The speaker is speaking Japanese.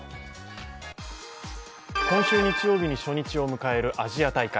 今週日曜日に初日を迎えるアジア大会。